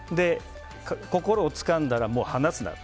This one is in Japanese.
心をつかんだら離すなって。